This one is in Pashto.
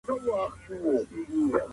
دغه یو بدلون به هر څه بدل کړي.